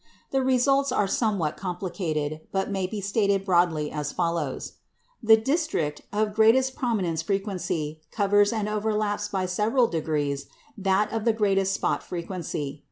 The results are somewhat complicated, but may be stated broadly as follows. The district of greatest prominence frequency covers and overlaps by several degrees that of the greatest spot frequency.